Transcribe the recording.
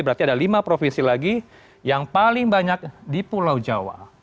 berarti ada lima provinsi lagi yang paling banyak di pulau jawa